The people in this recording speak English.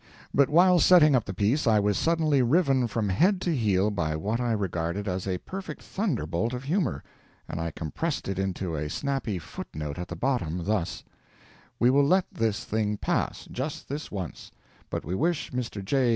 But while setting up the piece I was suddenly riven from head to heel by what I regarded as a perfect thunderbolt of humor, and I compressed it into a snappy foot note at the bottom—thus—"We will let this thing pass, just this once; but we wish Mr. J.